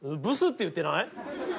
「ブス」って言ってない？